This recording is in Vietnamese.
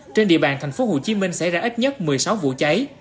trên địa bàn thành phố hồ chí minh xảy ra ít nhất một mươi sáu vụ trái